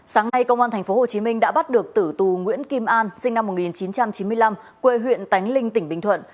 sáng nay công an tp hcm đã bắt được tử tù nguyễn kim an sinh năm một nghìn chín trăm chín mươi năm quê huyện tánh linh tỉnh bình thuận